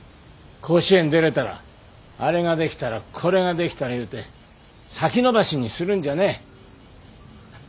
甲子園出れたらあれができたらこれができたらいうて先延ばしにするんじゃねえ。